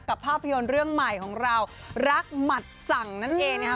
ภาพยนตร์เรื่องใหม่ของเรารักหมัดสั่งนั่นเองนะคะ